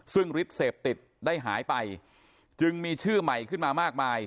ซึ่งฤทธิ์เสพติดได้หายไปจึงมีชื่อใหม่ขึ้นมามากมาย